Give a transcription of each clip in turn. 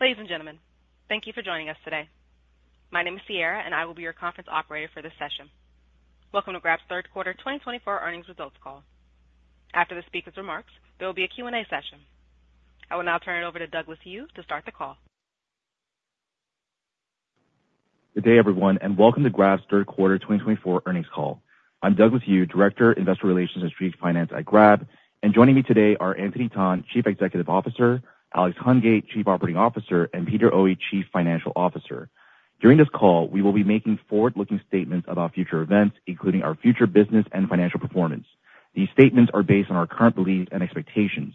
Ladies and gentlemen, thank you for joining us today. My name is Sierra, and I will be your conference operator for this session. Welcome to Grab's Third Quarter 2024 Earnings Results Call. After the speaker's remarks, there will be a Q&A session. I will now turn it over to Douglas Yu to start the call. Good day, everyone, and welcome to Grab's third quarter 2024 earnings call. I'm Douglas Yu, Director of Investor Relations and Strategic Finance at Grab. And joining me today are Anthony Tan, Chief Executive Officer, Alex Hungate, Chief Operating Officer, and Peter Oey, Chief Financial Officer. During this call, we will be making forward-looking statements about future events, including our future business and financial performance. These statements are based on our current beliefs and expectations.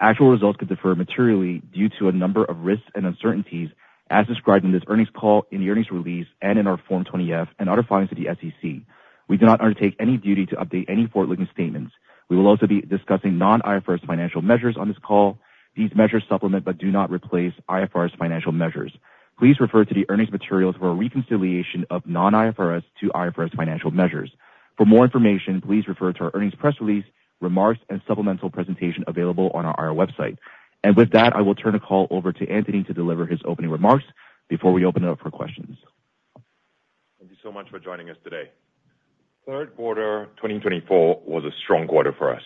Actual results could differ materially due to a number of risks and uncertainties, as described in this earnings call, in the earnings release, and in our Form 20-F and other filings to the SEC. We do not undertake any duty to update any forward-looking statements. We will also be discussing non-IFRS financial measures on this call. These measures supplement but do not replace IFRS financial measures. Please refer to the earnings materials for a reconciliation of non-IFRS to IFRS financial measures. For more information, please refer to our earnings press release, remarks, and supplemental presentation available on our website. And with that, I will turn the call over to Anthony to deliver his opening remarks before we open it up for questions. Thank you so much for joining us today. Third quarter 2024 was a strong quarter for us.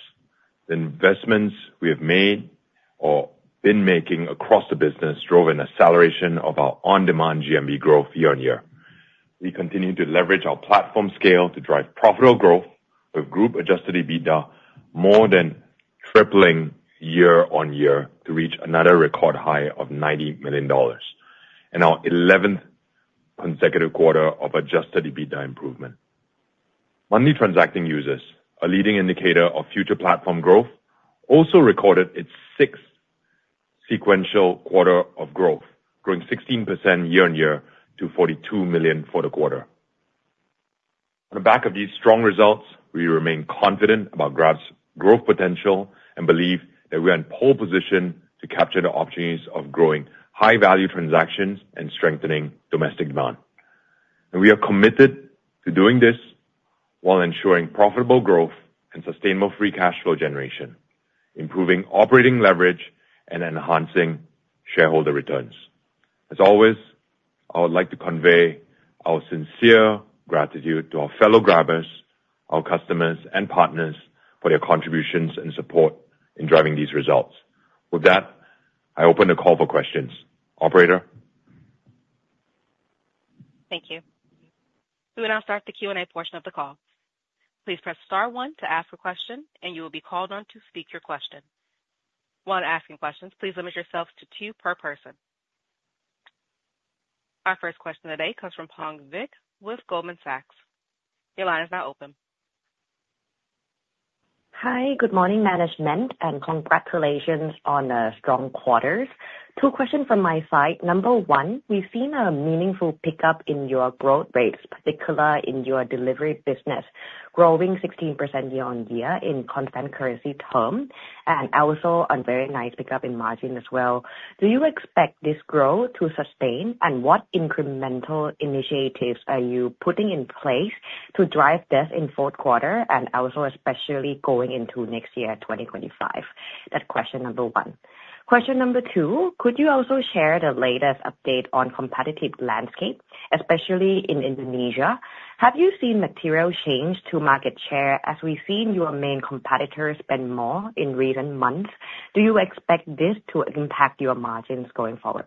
The investments we have made or been making across the business drove an acceleration of our on-demand GMV growth year on year. We continue to leverage our platform scale to drive profitable growth with group-adjusted EBITDA more than tripling year on year to reach another record high of $90 million in our 11th consecutive quarter of adjusted EBITDA improvement. Monthly transacting users, a leading indicator of future platform growth, also recorded its sixth sequential quarter of growth, growing 16% year on year to $42 million for the quarter. On the back of these strong results, we remain confident about Grab's growth potential and believe that we are in pole position to capture the opportunities of growing high-value transactions and strengthening domestic demand. We are committed to doing this while ensuring profitable growth and sustainable free cash flow generation, improving operating leverage, and enhancing shareholder returns. As always, I would like to convey our sincere gratitude to our fellow Grabbers, our customers, and partners for their contributions and support in driving these results. With that, I open the call for questions. Operator. Thank you. We will now start the Q&A portion of the call. Please press star one to ask a question, and you will be called on to speak your question. While asking questions, please limit yourself to two per person. Our first question today comes from Pang Vittayakorn with Goldman Sachs. Your line is now open. Hi, good morning, management, and congratulations on a strong quarter. Two questions from my side. Number one, we've seen a meaningful pickup in your growth rates, particularly in your delivery business, growing 16% year on year in constant currency terms, and also a very nice pickup in margin as well. Do you expect this growth to sustain, and what incremental initiatives are you putting in place to drive this in fourth quarter, and also especially going into next year, 2025? That's question number one. Question number two, could you also share the latest update on the competitive landscape, especially in Indonesia? Have you seen material change to market share as we've seen your main competitors spend more in recent months? Do you expect this to impact your margins going forward?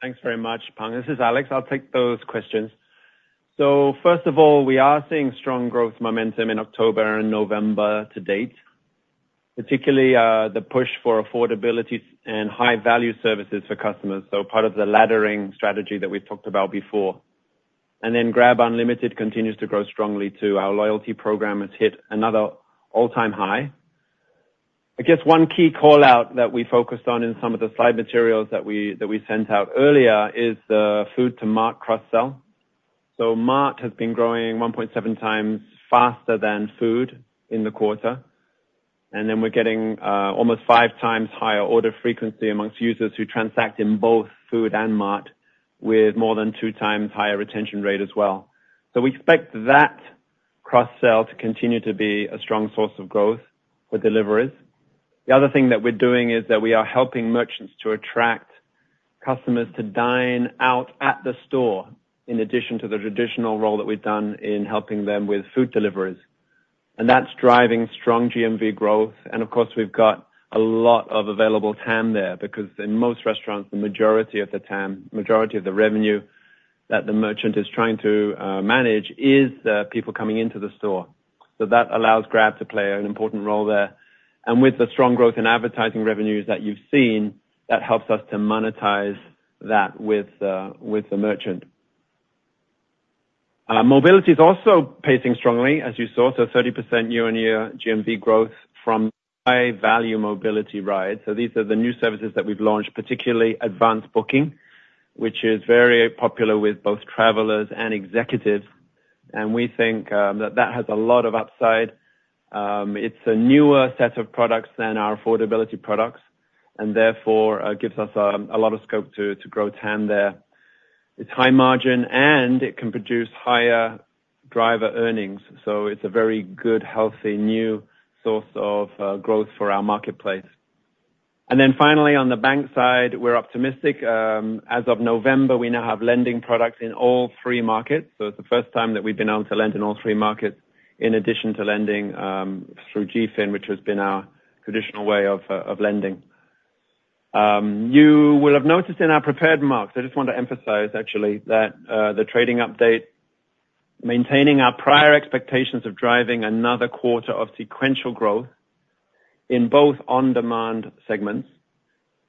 Thanks very much, Pang. This is Alex. I'll take those questions. So first of all, we are seeing strong growth momentum in October and November to date, particularly the push for affordability and high-value services for customers, so part of the laddering strategy that we've talked about before. And then Grab Unlimited continues to grow strongly, too. Our loyalty program has hit another all-time high. I guess one key callout that we focused on in some of the slide materials that we sent out earlier is the food-to-Mart cross-sell. So Mart has been growing 1.7 times faster than food in the quarter. And then we're getting almost five times higher order frequency amongst users who transact in both food and Mart, with more than two times higher retention rate as well. So we expect that cross-sell to continue to be a strong source of growth for deliveries. The other thing that we're doing is that we are helping merchants to attract customers to dine out at the store, in addition to the traditional role that we've done in helping them with food deliveries, and that's driving strong GMV growth. And of course, we've got a lot of available TAM there, because in most restaurants, the majority of the TAM, majority of the revenue that the merchant is trying to manage is people coming into the store, so that allows Grab to play an important role there. And with the strong growth in advertising revenues that you've seen, that helps us to monetize that with the merchant. Mobility is also pacing strongly, as you saw, so 30% year on year GMV growth from high-value mobility rides. So these are the new services that we've launched, particularly advanced booking, which is very popular with both travelers and executives. We think that that has a lot of upside. It's a newer set of products than our affordability products, and therefore gives us a lot of scope to grow TAM there. It's high margin, and it can produce higher driver earnings. So it's a very good, healthy, new source of growth for our marketplace. And then finally, on the bank side, we're optimistic. As of November, we now have lending products in all three markets. So it's the first time that we've been able to lend in all three markets, in addition to lending through GFIN, which has been our traditional way of lending. You will have noticed in our prepared remarks, I just want to emphasize, actually, that the trading update is maintaining our prior expectations of driving another quarter of sequential growth in both on-demand segments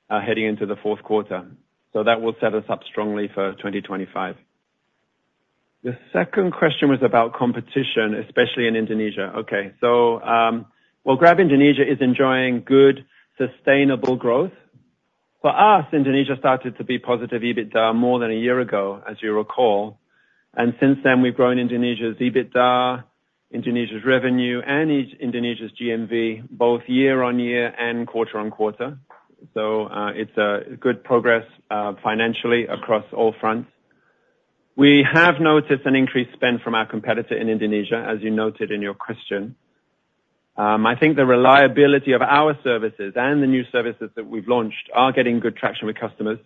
heading into the fourth quarter. So that will set us up strongly for 2025. The second question was about competition, especially in Indonesia. Okay, so while Grab Indonesia is enjoying good, sustainable growth, for us, Indonesia started to be positive EBITDA more than a year ago, as you recall, and since then, we've grown Indonesia's EBITDA, Indonesia's revenue, and Indonesia's GMV, both year on year and quarter on quarter, so it's good progress financially across all fronts. We have noticed an increased spend from our competitor in Indonesia, as you noted in your question. I think the reliability of our services and the new services that we've launched are getting good traction with customers.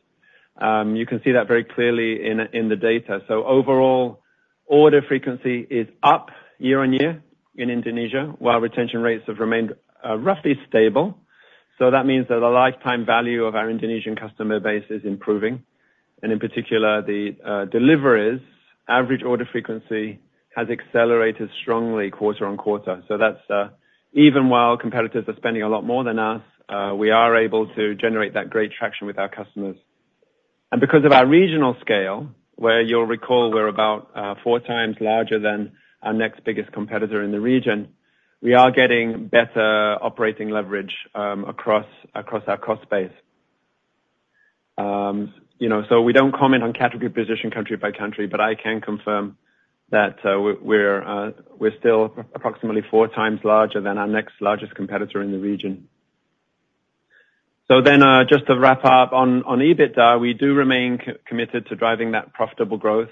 You can see that very clearly in the data, so overall, order frequency is up year on year in Indonesia, while retention rates have remained roughly stable, so that means that the lifetime value of our Indonesian customer base is improving. And in particular, the deliveries average order frequency has accelerated strongly quarter on quarter. So that's even while competitors are spending a lot more than us, we are able to generate that great traction with our customers. And because of our regional scale, where you'll recall we're about four times larger than our next biggest competitor in the region, we are getting better operating leverage across our cost base. So we don't comment on category position country by country, but I can confirm that we're still approximately four times larger than our next largest competitor in the region. So then just to wrap up on EBITDA, we do remain committed to driving that profitable growth.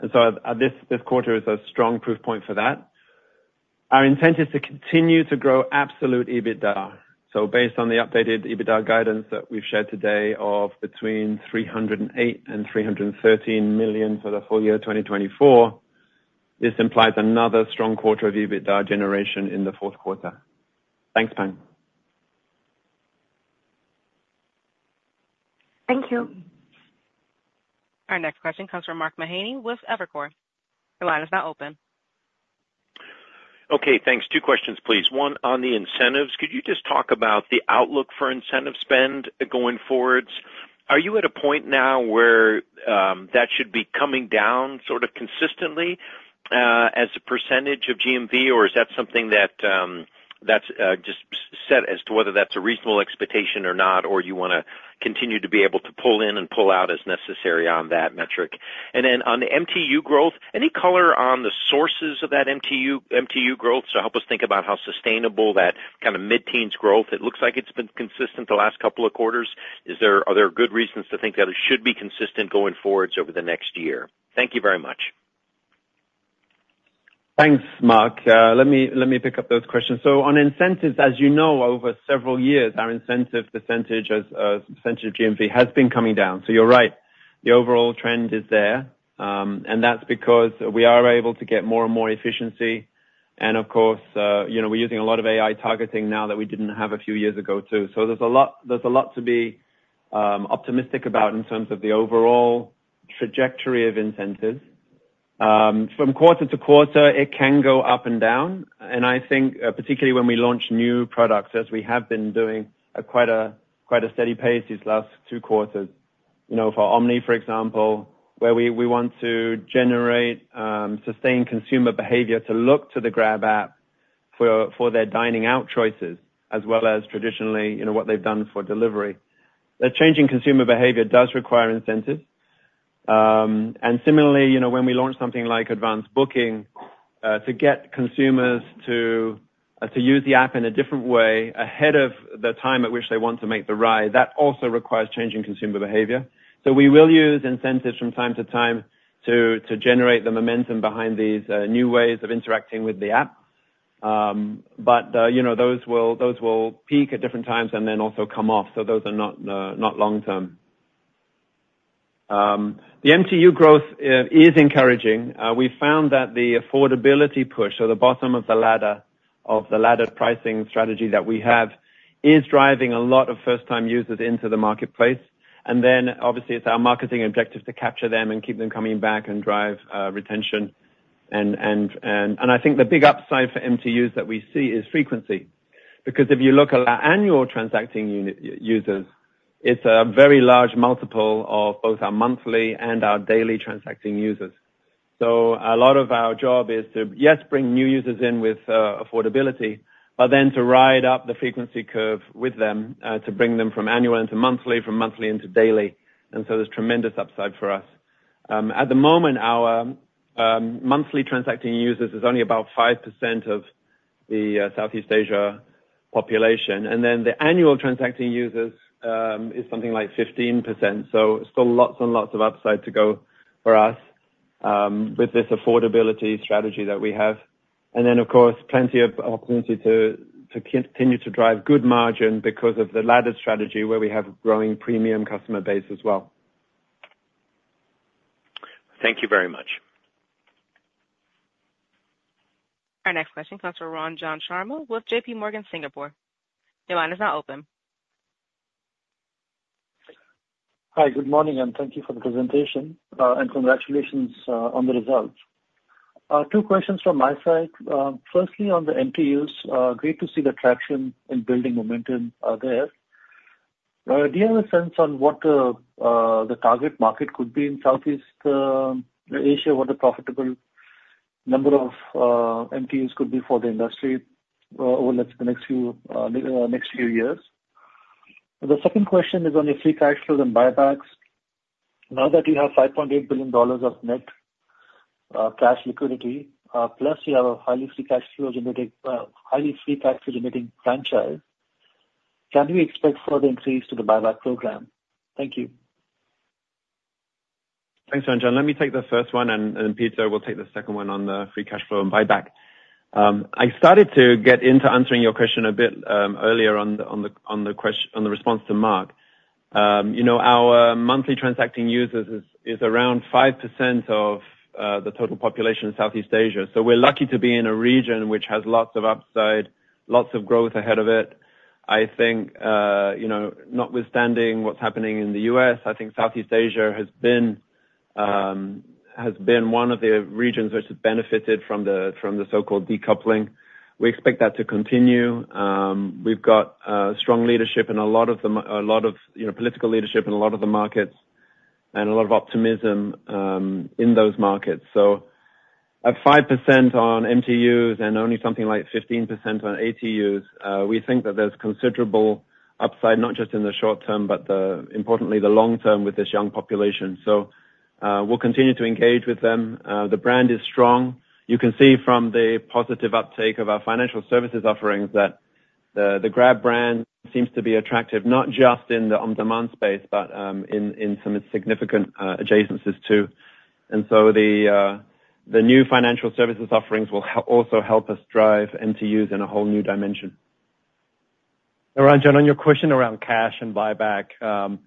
And so this quarter is a strong proof point for that. Our intent is to continue to grow absolute EBITDA. So based on the updated EBITDA guidance that we've shared today of between $308-$313 million for the full year 2024, this implies another strong quarter of EBITDA generation in the fourth quarter. Thanks, Pang. Thank you. Our next question comes from Mark Mahaney with Evercore. Your line is now open. Okay, thanks. Two questions, please. One on the incentives. Could you just talk about the outlook for incentive spend going forward? Are you at a point now where that should be coming down sort of consistently as a percentage of GMV, or is that something that's just set as to whether that's a reasonable expectation or not, or you want to continue to be able to pull in and pull out as necessary on that metric? And then on the MTU growth, any color on the sources of that MTU growth to help us think about how sustainable that kind of mid-teens growth? It looks like it's been consistent the last couple of quarters. Are there good reasons to think that it should be consistent going forward over the next year? Thank you very much. Thanks, Mark. Let me pick up those questions. On incentives, as you know, over several years, our incentive percentage of GMV has been coming down. You're right. The overall trend is there. That's because we are able to get more and more efficiency. Of course, we're using a lot of AI targeting now that we didn't have a few years ago, too. There's a lot to be optimistic about in terms of the overall trajectory of incentives. From quarter to quarter, it can go up and down. I think, particularly when we launch new products, as we have been doing at quite a steady pace these last two quarters. For Omni, for example, where we want to generate sustained consumer behavior to look to the Grab app for their dining-out choices, as well as traditionally what they've done for delivery. That changing consumer behavior does require incentives. And similarly, when we launch something like Advance Booking, to get consumers to use the app in a different way ahead of the time at which they want to make the ride, that also requires changing consumer behavior. So we will use incentives from time to time to generate the momentum behind these new ways of interacting with the app. But those will peak at different times and then also come off. So those are not long-term. The MTU growth is encouraging. We found that the affordability push, so the bottom of the ladder of the laddered pricing strategy that we have, is driving a lot of first-time users into the marketplace. And then, obviously, it's our marketing objective to capture them and keep them coming back and drive retention. And I think the big upside for MTUs that we see is frequency. Because if you look at our annual transacting users, it's a very large multiple of both our monthly and our daily transacting users. So a lot of our job is to, yes, bring new users in with affordability, but then to ride up the frequency curve with them, to bring them from annual into monthly, from monthly into daily. And so there's tremendous upside for us. At the moment, our monthly transacting users is only about 5% of the Southeast Asia population. And then the annual transacting users is something like 15%. So still lots and lots of upside to go for us with this affordability strategy that we have. And then, of course, plenty of opportunity to continue to drive good margin because of the laddered strategy where we have a growing premium customer base as well. Thank you very much. Our next question comes from Ranjan Sharma with J.P. Morgan Singapore. Your line is now open. Hi, good morning, and thank you for the presentation, and congratulations on the results. Two questions from my side. Firstly, on the MTUs, great to see the traction in building momentum there. Do you have a sense on what the target market could be in Southeast Asia, what the profitable number of MTUs could be for the industry over the next few years? The second question is on your free cash flow and buybacks. Now that you have $5.8 billion of net cash liquidity, plus you have a highly free cash flow-generating franchise, can we expect further increase to the buyback program? Thank you. Thanks, Ranjan. Let me take the first one, and Peter will take the second one on the free cash flow and buyback. I started to get into answering your question a bit earlier on the response to Mark. Our monthly transacting users is around 5% of the total population in Southeast Asia. So we're lucky to be in a region which has lots of upside, lots of growth ahead of it. I think, notwithstanding what's happening in the U.S., I think Southeast Asia has been one of the regions which has benefited from the so-called decoupling. We expect that to continue. We've got strong leadership and a lot of political leadership in a lot of the markets and a lot of optimism in those markets. So at five% on MTUs and only something like 15% on ATUs, we think that there's considerable upside, not just in the short term, but importantly, the long term with this young population. So we'll continue to engage with them. The brand is strong. You can see from the positive uptake of our financial services offerings that the Grab brand seems to be attractive, not just in the on-demand space, but in some significant adjacencies, too. And so the new financial services offerings will also help us drive MTUs in a whole new dimension. Ranjan, on your question around cash and buyback, let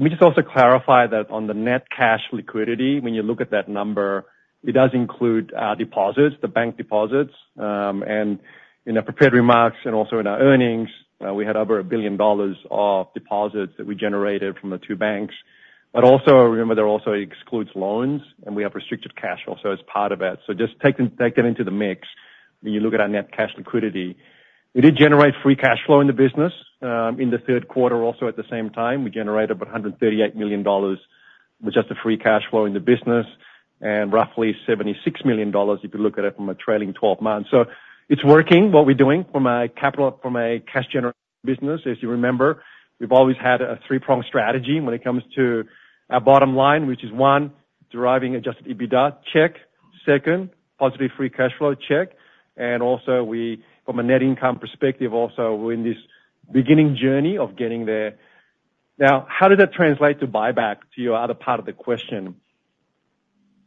me just also clarify that on the net cash liquidity, when you look at that number, it does include deposits, the bank deposits. And in our prepared remarks and also in our earnings, we had over $1 billion of deposits that we generated from the two banks. But also, remember, there also excludes loans, and we have restricted cash also as part of that. So just take that into the mix when you look at our net cash liquidity. We did generate free cash flow in the business. In the third quarter, also at the same time, we generated about $138 million with just a free cash flow in the business and roughly $76 million, if you look at it from a trailing 12 months. So it's working what we're doing from a cash-generating business. As you remember, we've always had a three-pronged strategy when it comes to our bottom line, which is, one, deriving Adjusted EBITDA, check. Second, positive free cash flow, check. Also, from a net income perspective, also we're in this beginning journey of getting there. Now, how does that translate to buyback, to your other part of the question?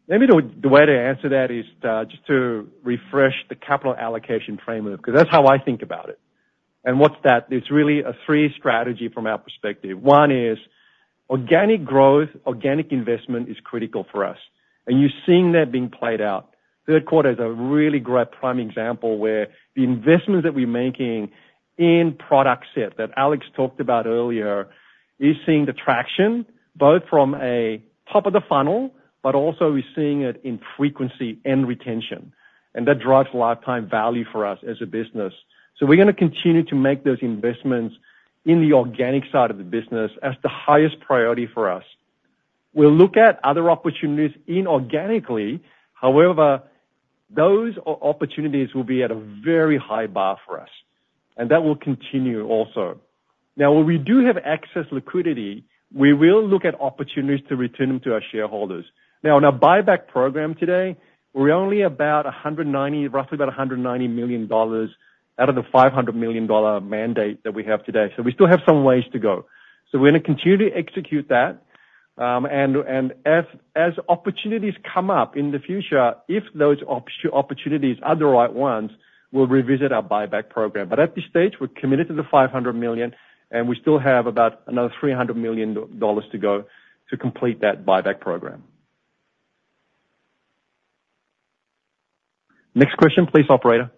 Maybe the way to answer that is just to refresh the capital allocation framework, because that's how I think about it. And what's that? It's really a three-strategy from our perspective. One is organic growth, organic investment is critical for us. And you're seeing that being played out. Third quarter is a really great prime example where the investments that we're making in product set that Alex talked about earlier is seeing the traction, both from a top of the funnel, but also we're seeing it in frequency and retention. And that drives lifetime value for us as a business. So we're going to continue to make those investments in the organic side of the business as the highest priority for us. We'll look at other opportunities inorganically. However, those opportunities will be at a very high bar for us. And that will continue also. Now, where we do have excess liquidity, we will look at opportunities to return them to our shareholders. Now, in our buyback program today, we're only about roughly $190 million out of the $500 million mandate that we have today. So we still have some ways to go. So we're going to continue to execute that. And as opportunities come up in the future, if those opportunities are the right ones, we'll revisit our buyback program. But at this stage, we're committed to the $500 million, and we still have about another $300 million to go to complete that buyback program. Next question, please, operator.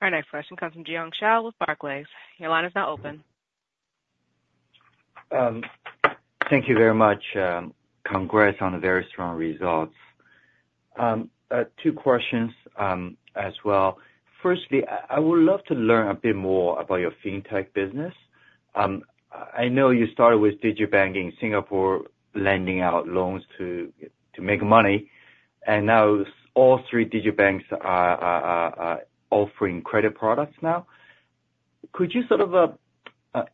Our next question comes from Jiong Shao with Barclays. Your line is now open. Thank you very much. Congrats on the very strong results. Two questions as well. Firstly, I would love to learn a bit more about your fintech business. I know you started with digi bank in Singapore lending out loans to make money. And now all three digi banks are offering credit products now. Could you sort of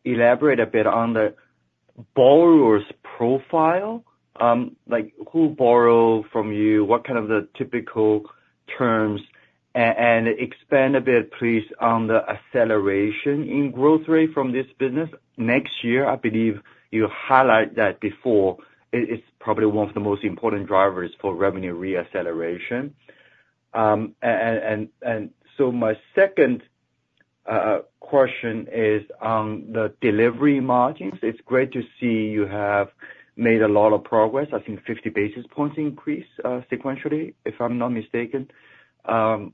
elaborate a bit on the borrower's profile? Who borrow from you? What kind of the typical terms? And expand a bit, please, on the acceleration in growth rate from this business. Next year, I believe you highlighted that before. It's probably one of the most important drivers for revenue reacceleration. And so my second question is on the delivery margins. It's great to see you have made a lot of progress. I think 50 basis points increased sequentially, if I'm not mistaken, to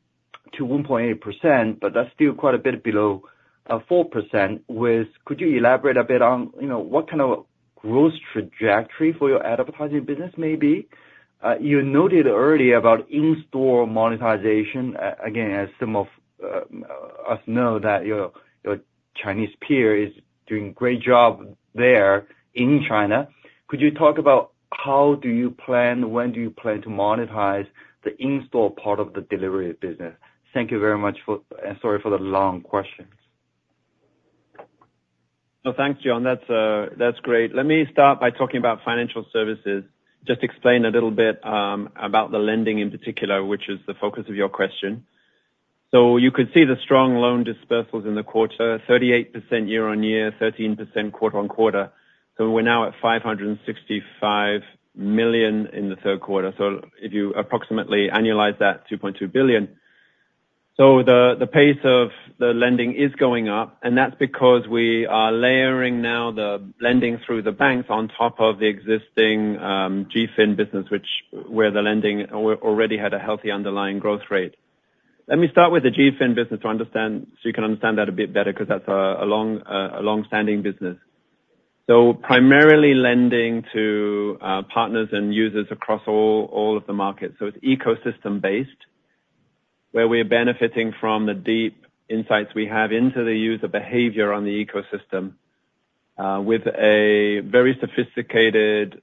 1.8%, but that's still quite a bit below 4%. Could you elaborate a bit on what kind of growth trajectory for your advertising business may be? You noted earlier about in-store monetization. Again, as some of us know, your Chinese peer is doing a great job there in China. Could you talk about how do you plan, when do you plan to monetize the in-store part of the delivery business? Thank you very much, and sorry for the long questions. Well, thanks, John. That's great. Let me start by talking about financial services. Just explain a little bit about the lending in particular, which is the focus of your question. So you could see the strong loan disbursals in the quarter, 38% year on year, 13% quarter on quarter. So we're now at $565 million in the third quarter. So if you approximately annualize that, $2.2 billion. So the pace of the lending is going up, and that's because we are layering now the lending through the banks on top of the existing GFIN business, where the lending already had a healthy underlying growth rate. Let me start with the GFIN business so you can understand that a bit better, because that's a long-standing business. So primarily lending to partners and users across all of the markets. It's ecosystem-based, where we're benefiting from the deep insights we have into the user behavior on the ecosystem with a very sophisticated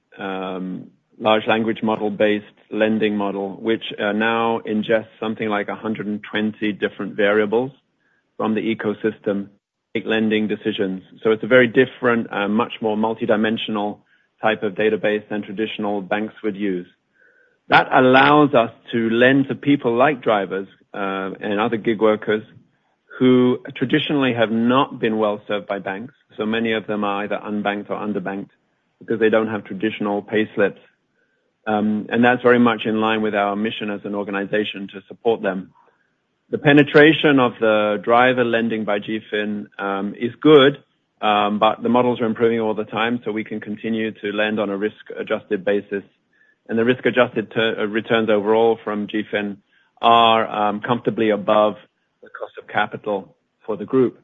large language model-based lending model, which now ingests something like 120 different variables from the ecosystem to make lending decisions. So it's a very different, much more multidimensional type of database than traditional banks would use. That allows us to lend to people like drivers and other gig workers who traditionally have not been well served by banks. So many of them are either unbanked or underbanked because they don't have traditional payslips. And that's very much in line with our mission as an organization to support them. The penetration of the driver lending by GFIN is good, but the models are improving all the time, so we can continue to lend on a risk-adjusted basis. And the risk-adjusted returns overall from GFIN are comfortably above the cost of capital for the group.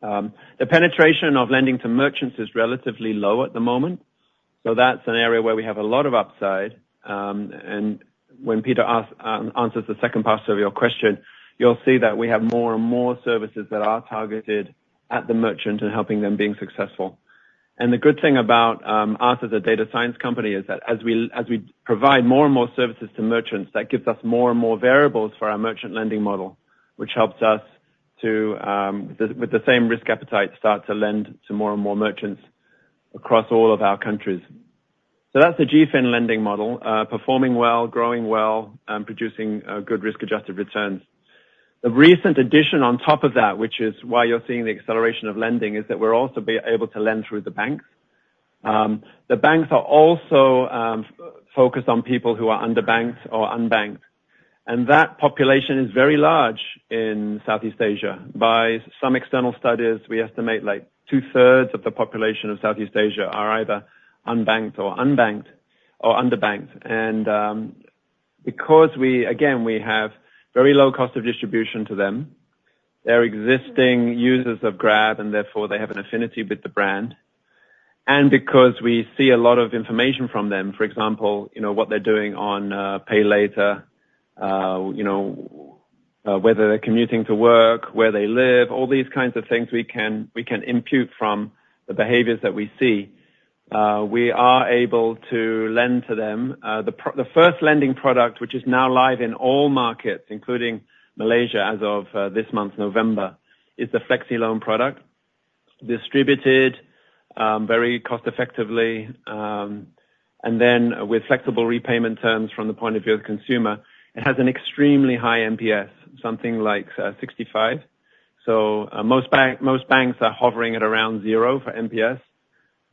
The penetration of lending to merchants is relatively low at the moment. So that's an area where we have a lot of upside. And when Pieter answers the second part of your question, you'll see that we have more and more services that are targeted at the merchant and helping them being successful. And the good thing about us as a data science company is that as we provide more and more services to merchants, that gives us more and more variables for our merchant lending model, which helps us to, with the same risk appetite, start to lend to more and more merchants across all of our countries. So that's the GFIN lending model, performing well, growing well, and producing good risk-adjusted returns. The recent addition on top of that, which is why you're seeing the acceleration of lending, is that we're also able to lend through the banks. The banks are also focused on people who are underbanked or unbanked, and that population is very large in Southeast Asia. By some external studies, we estimate like two-thirds of the population of Southeast Asia are either unbanked or underbanked, and because, again, we have very low cost of distribution to them, they're existing users of Grab, and therefore they have an affinity with the brand, and because we see a lot of information from them, for example, what they're doing on PayLater, whether they're commuting to work, where they live, all these kinds of things we can impute from the behaviors that we see, we are able to lend to them. The first lending product, which is now live in all markets, including Malaysia as of this month, November, is the FlexiLoan product, distributed very cost-effectively, and then with flexible repayment terms from the point of view of the consumer. It has an extremely high NPS, something like 65. So most banks are hovering at around zero for NPS.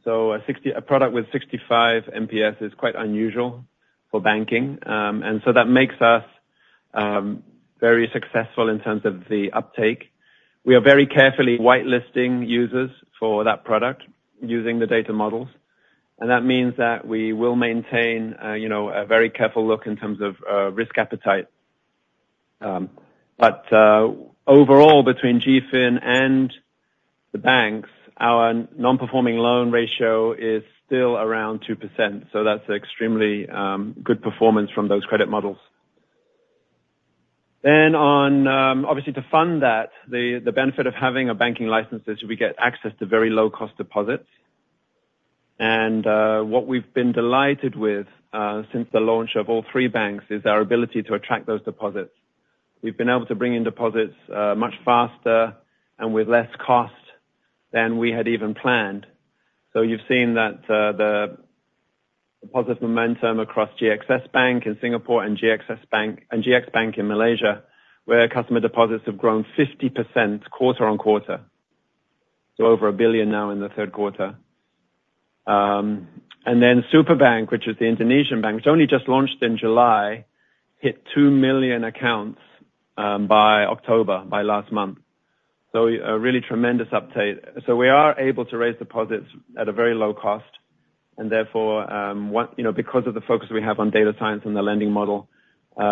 So a product with 65 NPS is quite unusual for banking. And so that makes us very successful in terms of the uptake. We are very carefully whitelisting users for that product using the data models. And that means that we will maintain a very careful look in terms of risk appetite. But overall, between GFIN and the banks, our non-performing loan ratio is still around 2%. So that's an extremely good performance from those credit models. Obviously, to fund that, the benefit of having a banking license is we get access to very low-cost deposits. And what we've been delighted with since the launch of all three banks is our ability to attract those deposits. We've been able to bring in deposits much faster and with less cost than we had even planned. So you've seen that the positive momentum across GXS Bank in Singapore and GXBank in Malaysia, where customer deposits have grown 50% quarter on quarter, so over $1 billion now in the third quarter. And then Superbank, which is the Indonesian bank, which only just launched in July, hit 2 million accounts by October, by last month. So a really tremendous uptake. So we are able to raise deposits at a very low cost. Therefore, because of the focus we have on data science and the lending model,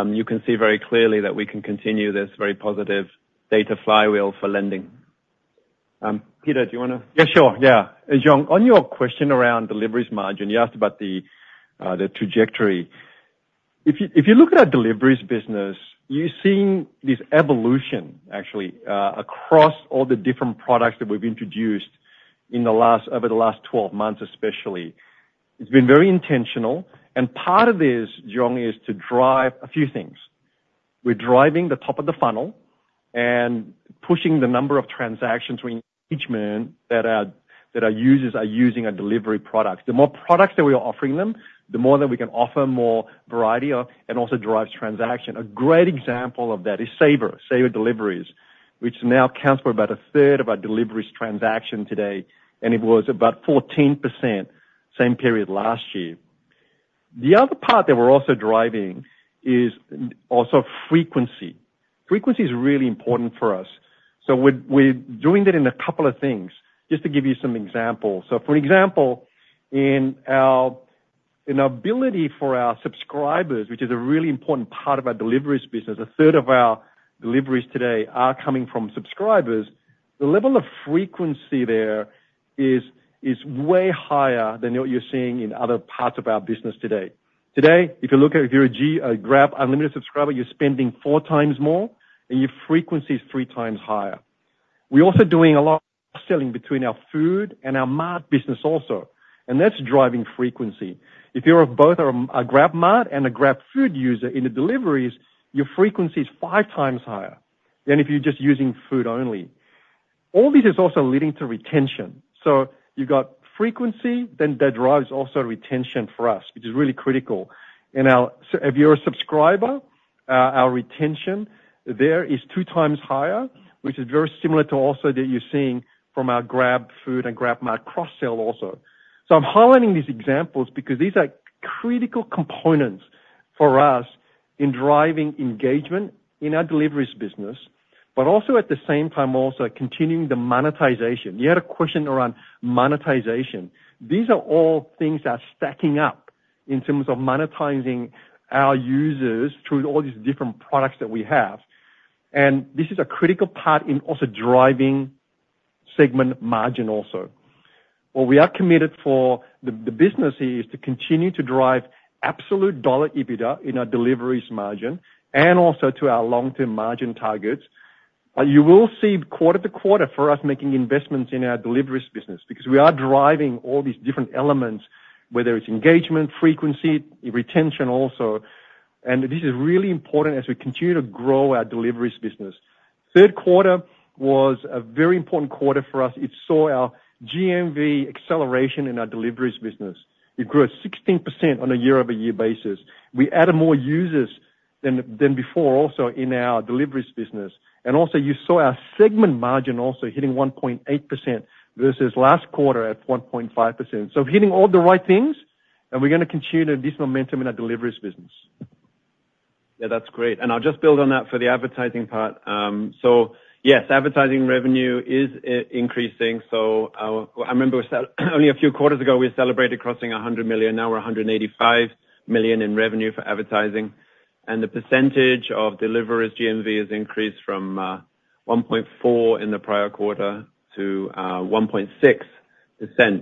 you can see very clearly that we can continue this very positive data flywheel for lending. Peter, do you want to? Yeah, sure. Yeah. And John, on your question around deliveries margin, you asked about the trajectory. If you look at our deliveries business, you're seeing this evolution, actually, across all the different products that we've introduced over the last 12 months, especially. It's been very intentional. And part of this, John, is to drive a few things. We're driving the top of the funnel and pushing the number of transactions for each month that our users are using our delivery products. The more products that we are offering them, the more that we can offer more variety and also drive transaction. A great example of that is Saver Deliveries, which now accounts for about a third of our deliveries transactions today. And it was about 14% [in the] same period last year. The other part that we're also driving is also frequency. Frequency is really important for us. So we're doing that in a couple of things, just to give you some examples. So for example, in our ability for our subscribers, which is a really important part of our deliveries business, a third of our deliveries today are coming from subscribers. The level of frequency there is way higher than what you're seeing in other parts of our business today. Today, if you look at if you're a Grab Unlimited subscriber, you're spending four times more, and your frequency is three times higher. We're also doing a lot of selling between our food and our mart business also. And that's driving frequency. If you're both a GrabMart and a GrabFood user in the deliveries, your frequency is five times higher than if you're just using food only. All this is also leading to retention. So you've got frequency, then that drives also retention for us, which is really critical. And if you're a subscriber, our retention there is two times higher, which is very similar to also that you're seeing from our GrabFood and GrabMart cross-sale also. So I'm highlighting these examples because these are critical components for us in driving engagement in our deliveries business, but also at the same time also continuing the monetization. You had a question around monetization. These are all things that are stacking up in terms of monetizing our users through all these different products that we have. This is a critical part in also driving segment margin also. What we are committed for the business here is to continue to drive absolute dollar EBITDA in our deliveries margin and also to our long-term margin targets. You will see quarter to quarter for us making investments in our deliveries business because we are driving all these different elements, whether it's engagement, frequency, retention also. This is really important as we continue to grow our deliveries business. Third quarter was a very important quarter for us. It saw our GMV acceleration in our deliveries business. It grew at 16% on a year-over-year basis. We added more users than before also in our deliveries business. Also, you saw our segment margin also hitting 1.8% versus last quarter at 1.5%. Hitting all the right things, and we're going to continue this momentum in our deliveries business. Yeah, that's great. And I'll just build on that for the advertising part. So yes, advertising revenue is increasing. So I remember only a few quarters ago, we celebrated crossing $100 million. Now we're $185 million in revenue for advertising. And the percentage of deliveries GMV has increased from 1.4% in the prior quarter to 1.6%.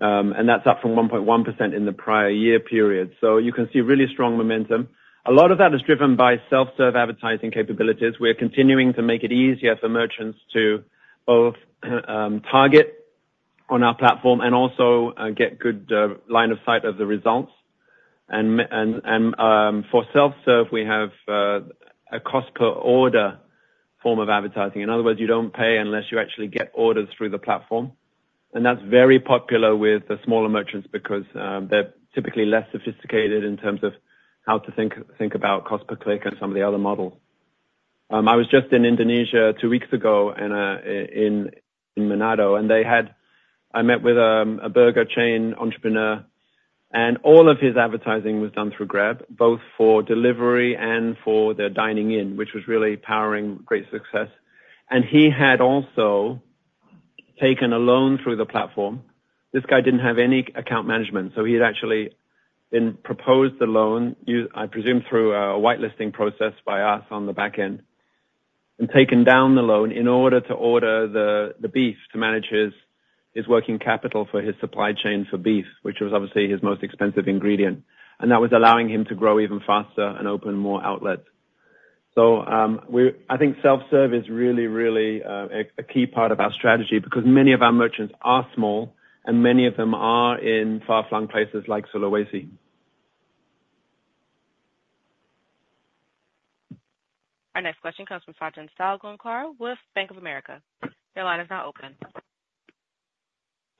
And that's up from 1.1% in the prior year period. So you can see really strong momentum. A lot of that is driven by self-serve advertising capabilities. We're continuing to make it easier for merchants to both target on our platform and also get good line of sight of the results. And for self-serve, we have a cost-per-order form of advertising. In other words, you don't pay unless you actually get orders through the platform. That's very popular with the smaller merchants because they're typically less sophisticated in terms of how to think about cost-per-click and some of the other models. I was just in Indonesia two weeks ago in Manado, and I met with a burger chain entrepreneur. All of his advertising was done through Grab, both for delivery and for their dining in, which was really powering great success. He had also taken a loan through the platform. This guy didn't have any account management, so he had actually been proposed the loan, I presume, through a whitelisting process by us on the back end, and taken down the loan in order to order the beef to manage his working capital for his supply chain for beef, which was obviously his most expensive ingredient. That was allowing him to grow even faster and open more outlets. So I think self-serve is really, really a key part of our strategy because many of our merchants are small, and many of them are in far-flung places like Sulawesi. Our next question comes from Sachin Salgaonkar with Bank of America. Their line is now open.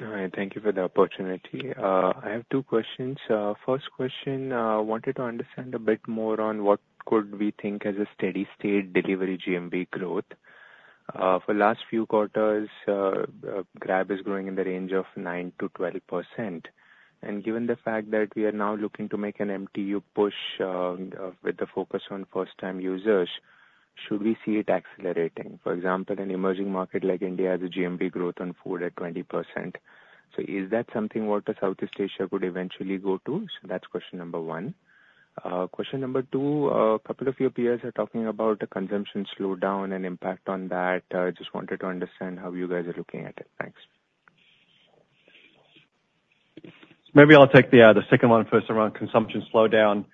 All right. Thank you for the opportunity. I have two questions. First question, I wanted to understand a bit more on what could we think as a steady-state delivery GMV growth. For the last few quarters, Grab is growing in the range of 9%-12%. And given the fact that we are now looking to make an MTU push with the focus on first-time users, should we see it accelerating? For example, an emerging market like India has a GMV growth on food at 20%. So is that something that Southeast Asia could eventually go to? So that's question number one. Question number two, a couple of your peers are talking about a consumption slowdown and impact on that. I just wanted to understand how you guys are looking at it. Thanks. Maybe I'll take the second one first around consumption slowdown.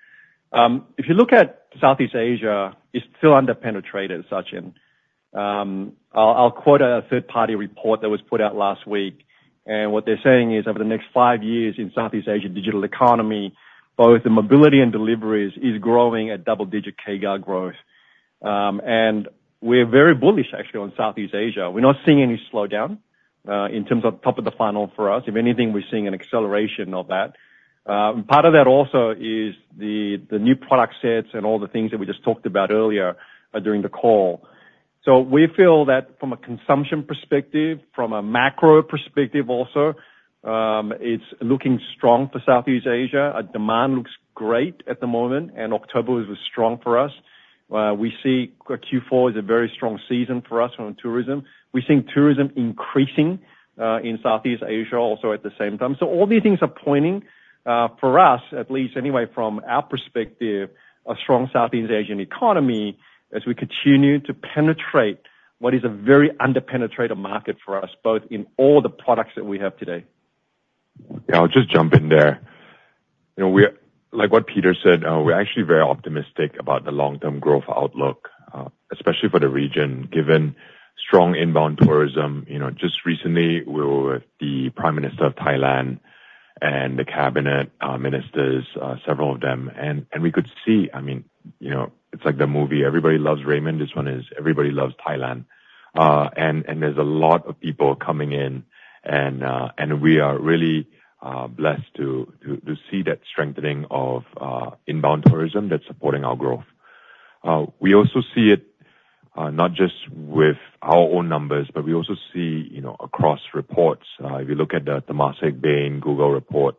If you look at Southeast Asia, it's still under-penetrated, Sachin. I'll quote a third-party report that was put out last week. And what they're saying is over the next five years in Southeast Asia digital economy, both the mobility and deliveries is growing at double-digit CAGR growth. And we're very bullish, actually, on Southeast Asia. We're not seeing any slowdown in terms of top of the funnel for us. If anything, we're seeing an acceleration of that. And part of that also is the new product sets and all the things that we just talked about earlier during the call. So we feel that from a consumption perspective, from a macro perspective also, it's looking strong for Southeast Asia. Demand looks great at the moment, and October was strong for us. We see Q4 is a very strong season for us from tourism. We're seeing tourism increasing in Southeast Asia also at the same time. So all these things are pointing for us, at least anyway from our perspective, a strong Southeast Asian economy as we continue to penetrate what is a very under-penetrated market for us, both in all the products that we have today. Yeah, I'll just jump in there. Like what Peter said, we're actually very optimistic about the long-term growth outlook, especially for the region, given strong inbound tourism. Just recently, we were with the Prime Minister of Thailand and the Cabinet ministers, several of them, and we could see, I mean, it's like the movie, "Everybody Loves Raymond." This one is, "Everybody Loves Thailand," and there's a lot of people coming in, and we are really blessed to see that strengthening of inbound tourism that's supporting our growth. We also see it not just with our own numbers, but we also see across reports. If you look at the Temasek Bain Google report,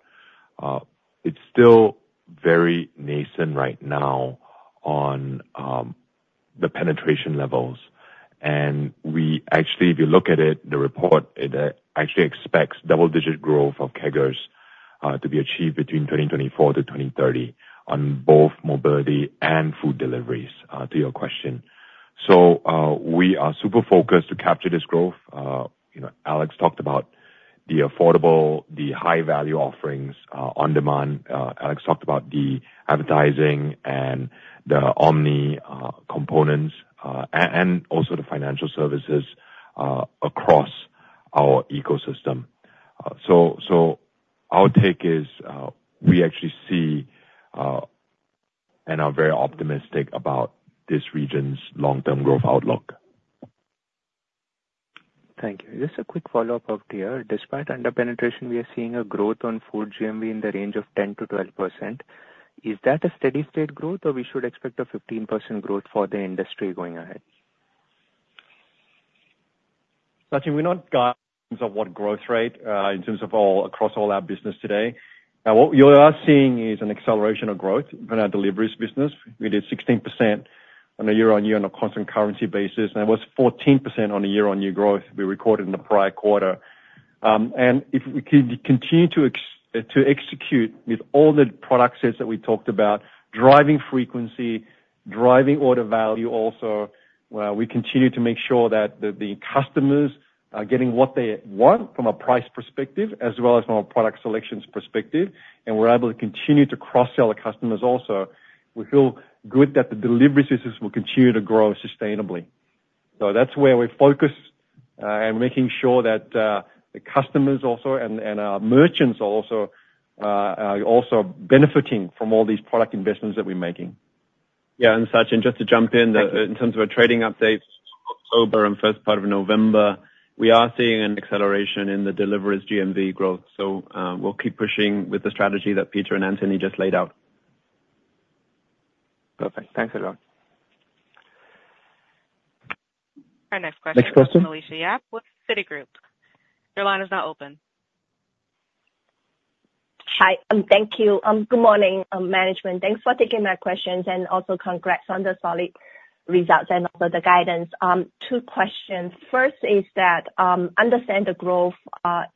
it's still very nascent right now on the penetration levels. Actually, if you look at it, the report actually expects double-digit growth of e-Conomy SEA to be achieved between 2024 to 2030 on both mobility and food deliveries, to your question. We are super focused to capture this growth. Alex talked about the affordable, the high-value offerings on demand. Alex talked about the advertising and the Omni components and also the financial services across our ecosystem. Our take is we actually see and are very optimistic about this region's long-term growth outlook. Thank you. Just a quick follow-up of Peter. Despite under-penetration, we are seeing a growth on food GMV in the range of 10%-12%. Is that a steady-state growth, or we should expect a 15% growth for the industry going ahead? Sachin, we're not guiding on what growth rate in terms of across all our business today. Now, what you are seeing is an acceleration of growth in our deliveries business. We did 16% year-on-year on a constant currency basis, and it was 14% year-on-year growth we recorded in the prior quarter, and if we continue to execute with all the product sets that we talked about, driving frequency, driving order value also, we continue to make sure that the customers are getting what they want from a price perspective as well as from a product selections perspective, and we're able to continue to cross-sell our customers also. We feel good that the delivery systems will continue to grow sustainably, that's where we focus and making sure that the customers also and our merchants are also benefiting from all these product investments that we're making. Yeah, and Sachin, just to jump in, in terms of our trading updates October and first part of November, we are seeing an acceleration in the deliveries GMV growth. So we'll keep pushing with the strategy that Peter and Anthony just laid out. Perfect. Thanks a lot. Our next question is from Alicia. Next question. Yeah, with Citigroup. Your line is now open. Hi. Thank you. Good morning, management. Thanks for taking my questions and also congrats on the solid results and also the guidance. Two questions. First is that I understand the growth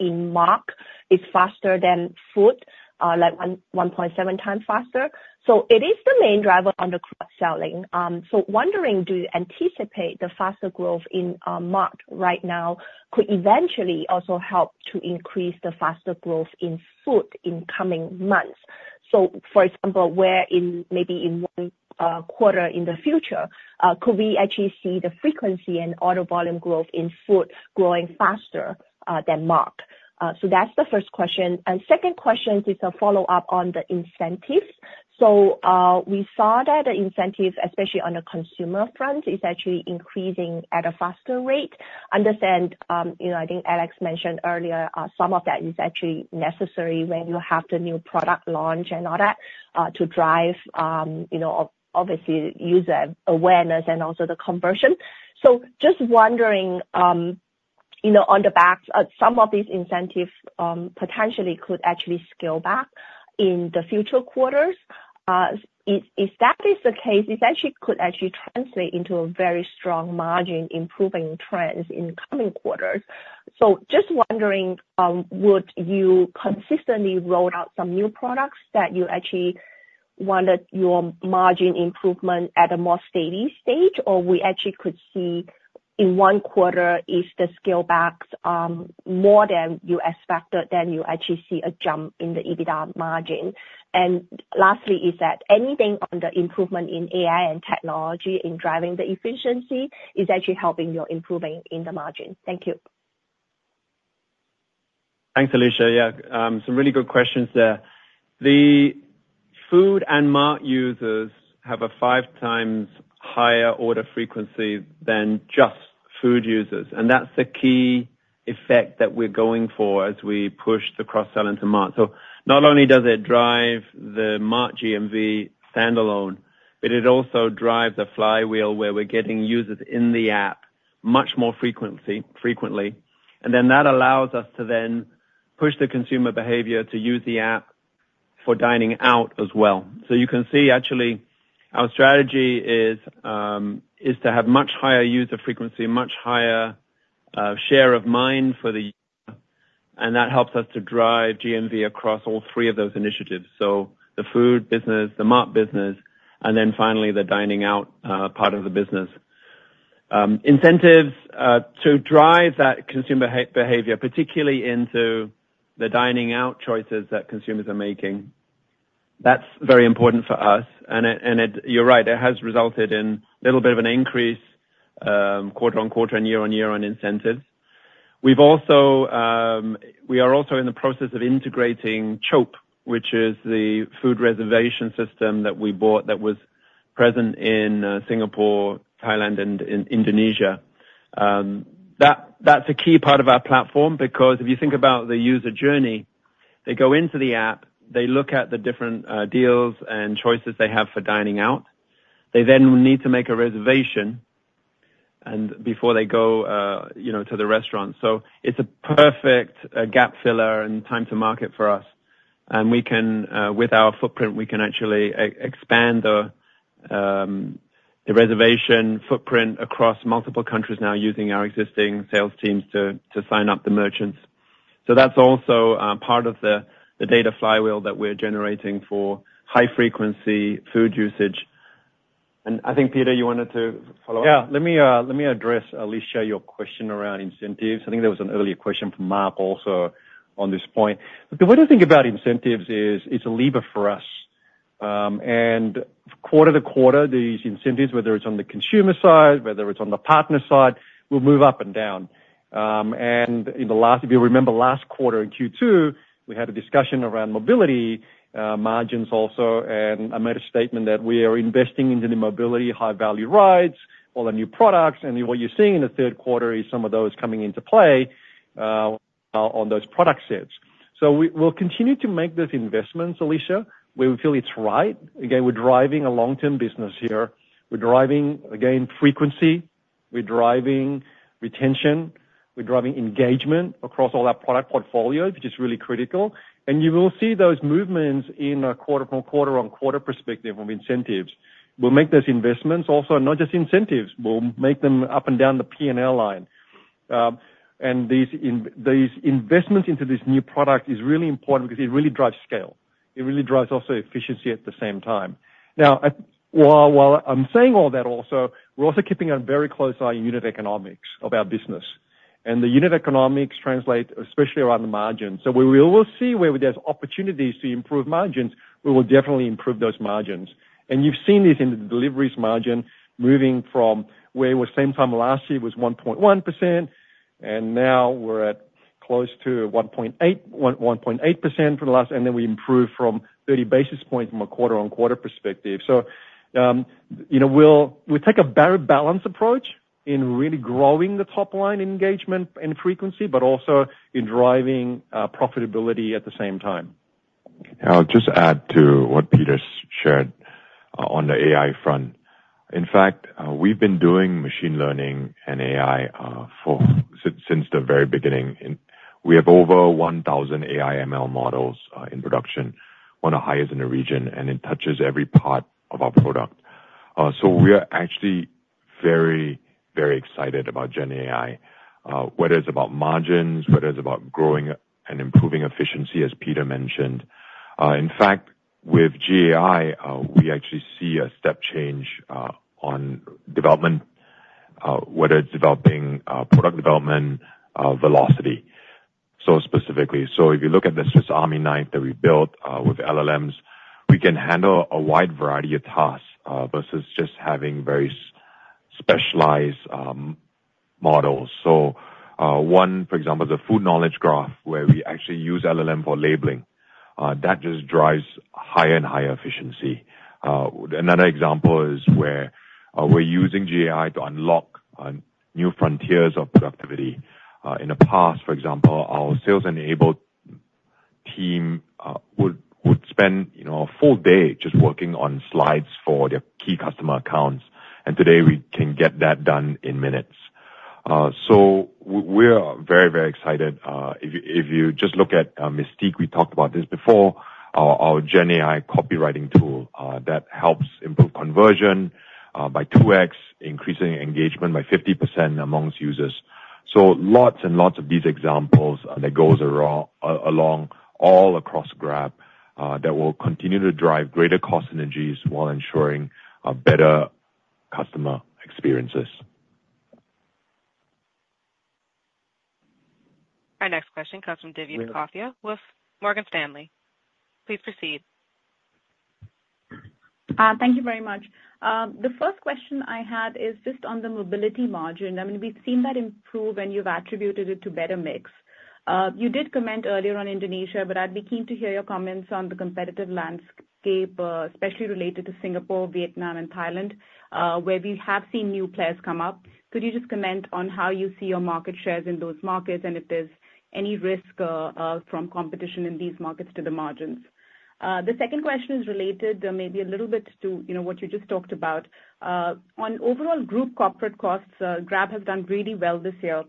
in Mart is faster than food, like 1.7 times faster. So it is the main driver on the cross-selling. So wondering, do you anticipate the faster growth in Mart right now could eventually also help to increase the faster growth in food in coming months? So for example, maybe in one quarter in the future, could we actually see the frequency and order volume growth in food growing faster than Mart? So that's the first question. And second question is a follow-up on the incentives. So we saw that the incentives, especially on the consumer front, is actually increasing at a faster rate. I think Alex mentioned earlier, some of that is actually necessary when you have the new product launch and all that to drive, obviously, user awareness and also the conversion. So just wondering, on the back, some of these incentives potentially could actually scale back in the future quarters. If that is the case, it could actually translate into a very strong margin improving trend in coming quarters. So just wondering, would you consistently roll out some new products that you actually wanted your margin improvement at a more steady stage, or we actually could see in one quarter if the scale backs more than you expected, then you actually see a jump in the EBITDA margin? And lastly, is there anything on the improvement in AI and technology in driving the efficiency that is actually helping your improving in the margin? Thank you. Thanks, Alicia. Yeah, some really good questions there. The food and Mart users have a five times higher order frequency than just food users. And that's the key effect that we're going for as we push the cross-sell into Mart. So not only does it drive the Mart GMV standalone, but it also drives the flywheel where we're getting users in the app much more frequently. And then that allows us to then push the consumer behavior to use the app for dining out as well. So you can see, actually, our strategy is to have much higher user frequency, much higher share of mind for the user. And that helps us to drive GMV across all three of those initiatives: so the food business, the Mart business, and then finally the dining out part of the business. Incentives to drive that consumer behavior, particularly into the dining out choices that consumers are making, that's very important for us. And you're right, it has resulted in a little bit of an increase quarter on quarter and year on year on incentives. We are also in the process of integrating Chope, which is the food reservation system that we bought that was present in Singapore, Thailand, and Indonesia. That's a key part of our platform because if you think about the user journey, they go into the app, they look at the different deals and choices they have for dining out. They then need to make a reservation before they go to the restaurant. So it's a perfect gap filler and time to market for us. And with our footprint, we can actually expand the reservation footprint across multiple countries now using our existing sales teams to sign up the merchants. So that's also part of the data flywheel that we're generating for high-frequency food usage. And I think, Pieter, you wanted to follow up? Yeah, let me address, Alicia, your question around incentives. I think there was an earlier question from Mark also on this point. What I think about incentives is it's a lever for us. And quarter to quarter, these incentives, whether it's on the consumer side, whether it's on the partner side, will move up and down. And if you remember last quarter in Q2, we had a discussion around mobility margins also. And I made a statement that we are investing into the mobility, high-value rides, all the new products. And what you're seeing in the third quarter is some of those coming into play on those product sets. So we'll continue to make those investments, Alicia, where we feel it's right. Again, we're driving a long-term business here. We're driving, again, frequency. We're driving retention. We're driving engagement across all our product portfolios, which is really critical. And you will see those movements in a quarter-on-quarter perspective of incentives. We'll make those investments also, not just incentives. We'll make them up and down the P&L line. And these investments into this new product are really important because it really drives scale. It really drives also efficiency at the same time. Now, while I'm saying all that also, we're also keeping a very close eye on unit economics of our business. And the unit economics translate, especially around the margins. So where we will see where there's opportunities to improve margins, we will definitely improve those margins. And you've seen this in the deliveries margin moving from where it was same time last year was 1.1%, and now we're at close to 1.8% for the last, and then we improved from 30 basis points from a quarter-on-quarter perspective. So we'll take a balanced approach in really growing the top line engagement and frequency, but also in driving profitability at the same time. I'll just add to what Peter shared on the AI front. In fact, we've been doing machine learning and AI since the very beginning. We have over 1,000 AI/ML models in production, one of the highest in the region, and it touches every part of our product. So we are actually very, very excited about GenAI, whether it's about margins, whether it's about growing and improving efficiency, as Pieter mentioned. In fact, with GenAI, we actually see a step change on development, whether it's developing product development velocity so specifically. So if you look at the Swiss Army knife that we built with LLMs, we can handle a wide variety of tasks versus just having very specialized models. So one, for example, the food knowledge graph where we actually use LLM for labeling, that just drives higher and higher efficiency. Another example is where we're using GenAI to unlock new frontiers of productivity. In the past, for example, our sales enablement team would spend a full day just working on slides for their key customer accounts, and today, we can get that done in minutes, so we're very, very excited. If you just look at Mystique, we talked about this before, our GenAI copywriting tool that helps improve conversion by 2x, increasing engagement by 50% among users, so lots and lots of these examples that go along all across Grab that will continue to drive greater cost synergies while ensuring better customer experiences. Our next question comes from Divya Murthy with Morgan Stanley. Please proceed. Thank you very much. The first question I had is just on the mobility margin. I mean, we've seen that improve and you've attributed it to better mix. You did comment earlier on Indonesia, but I'd be keen to hear your comments on the competitive landscape, especially related to Singapore, Vietnam, and Thailand, where we have seen new players come up. Could you just comment on how you see your market shares in those markets and if there's any risk from competition in these markets to the margins? The second question is related maybe a little bit to what you just talked about. On overall group corporate costs, Grab has done really well this year.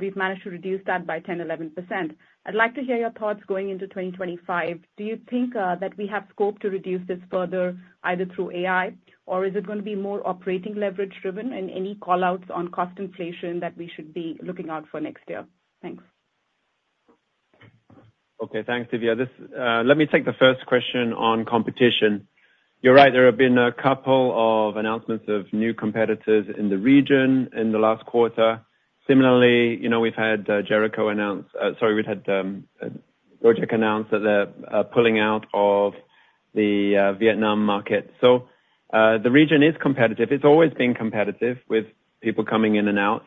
We've managed to reduce that by 10%-11%. I'd like to hear your thoughts going into 2025. Do you think that we have scope to reduce this further, either through AI, or is it going to be more operating leverage driven and any callouts on cost inflation that we should be looking out for next year? Thanks. Okay, thanks, Divya. Let me take the first question on competition. You're right. There have been a couple of announcements of new competitors in the region in the last quarter. Similarly, we've had Jericho announce, sorry, we've had Gojek announce that they're pulling out of the Vietnam market. So the region is competitive. It's always been competitive with people coming in and out.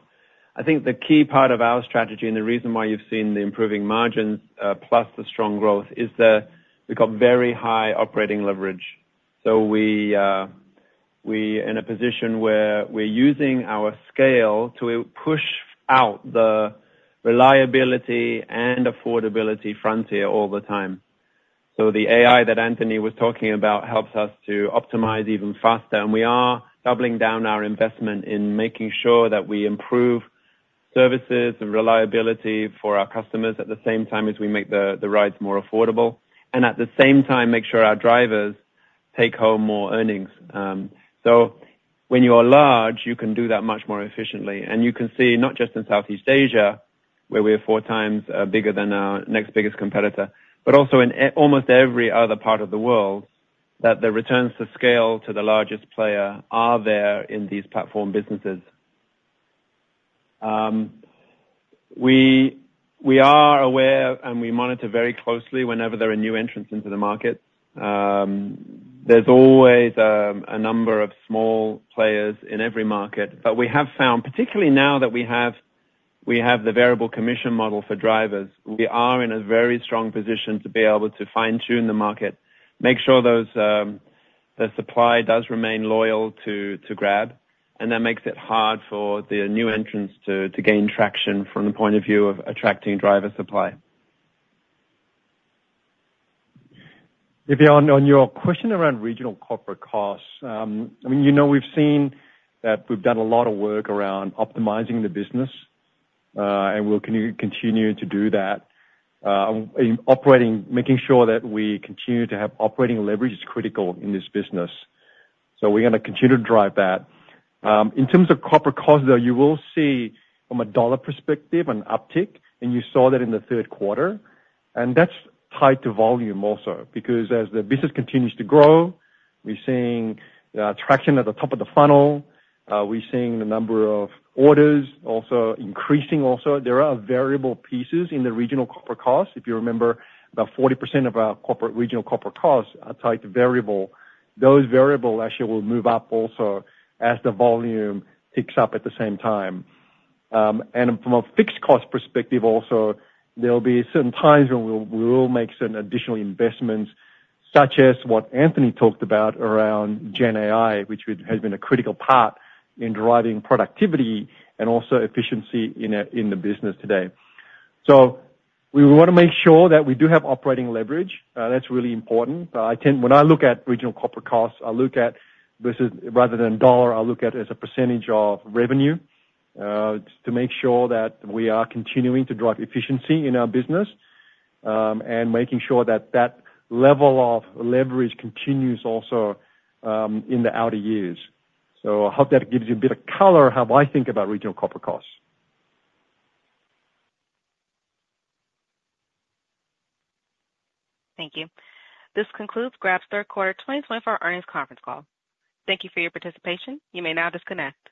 I think the key part of our strategy and the reason why you've seen the improving margins plus the strong growth is that we've got very high operating leverage. So we're in a position where we're using our scale to push out the reliability and affordability frontier all the time. So the AI that Anthony was talking about helps us to optimize even faster. We are doubling down our investment in making sure that we improve services and reliability for our customers at the same time as we make the rides more affordable and at the same time make sure our drivers take home more earnings. When you are large, you can do that much more efficiently. You can see not just in Southeast Asia, where we are four times bigger than our next biggest competitor, but also in almost every other part of the world that the returns to scale to the largest player are there in these platform businesses. We are aware and we monitor very closely whenever there are new entrants into the markets. There's always a number of small players in every market. But we have found, particularly now that we have the variable commission model for drivers, we are in a very strong position to be able to fine-tune the market, make sure the supply does remain loyal to Grab. And that makes it hard for the new entrants to gain traction from the point of view of attracting driver supply. Divya, on your question around regional corporate costs, I mean, we've seen that we've done a lot of work around optimizing the business, and we'll continue to do that. Making sure that we continue to have operating leverage is critical in this business. So we're going to continue to drive that. In terms of corporate costs, though, you will see from a dollar perspective an uptick, and you saw that in the third quarter. And that's tied to volume also because as the business continues to grow, we're seeing traction at the top of the funnel. We're seeing the number of orders also increasing. Also, there are variable pieces in the regional corporate costs. If you remember, about 40% of our regional corporate costs are tied to variable. Those variables actually will move up also as the volume ticks up at the same time. From a fixed cost perspective also, there will be certain times when we will make certain additional investments, such as what Anthony talked about around GenAI, which has been a critical part in driving productivity and also efficiency in the business today. We want to make sure that we do have operating leverage. That's really important. When I look at regional corporate costs, I look at, rather than dollar, I look at it as a percentage of revenue to make sure that we are continuing to drive efficiency in our business and making sure that that level of leverage continues also in the outer years. I hope that gives you a bit of color on how I think about regional corporate costs. Thank you. This concludes Grab's Third Quarter 2024 Earnings Conference Call. Thank you for your participation. You may now disconnect.